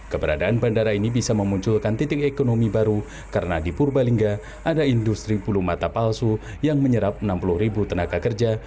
keberadaan bandara ini bisa memunculkan titik ekonomi baru karena di purbalingga ada industri pulu mata palsu yang menyerap enam puluh ribu tenaga kerja